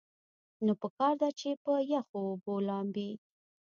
نو پکار ده چې پۀ يخو اوبو لامبي -